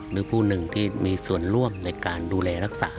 หรือผู้หนึ่งที่มีส่วนร่วมในการดูแลรักษา